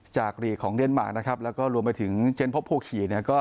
หลีกของเดนมาร์นะครับแล้วก็รวมไปถึงเจนพบภูขี่เนี่ยก็